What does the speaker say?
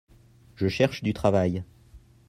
Je cherche du travail.